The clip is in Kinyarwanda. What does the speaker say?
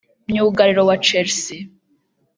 myugariro wa Chelsea